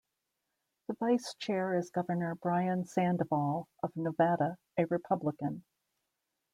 The vice chair is Governor Brian Sandoval of Nevada, a Republican.